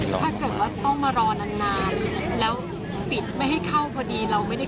ถ้าต้องมารอนานนานแล้วปิดไม่ให้เข้าพอดี